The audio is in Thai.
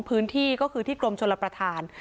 พื้นที่ก็คือที่กรมชลประธาน